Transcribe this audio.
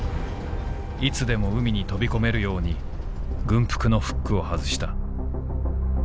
いつでも海に飛び込めるように軍服のフックを外した」。